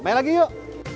main lagi yuk